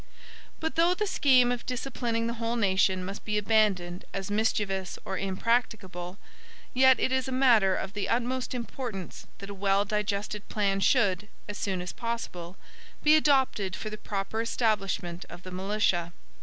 "But though the scheme of disciplining the whole nation must be abandoned as mischievous or impracticable; yet it is a matter of the utmost importance that a well digested plan should, as soon as possible, be adopted for the proper establishment of the militia.